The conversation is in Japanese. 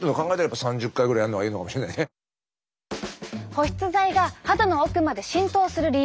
保湿剤が肌の奥まで浸透する理由。